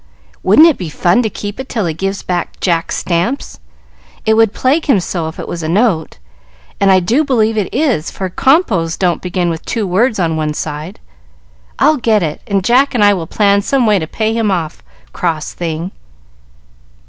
"Wouldn't it be fun to keep it till he gives back Jack's stamps? It would plague him so if it was a note, and I do believe it is, for compo's don't begin with two words on one side. I'll get it, and Jack and I will plan some way to pay him off, cross thing!"